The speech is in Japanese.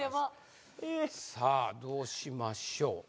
さあどうしましょう？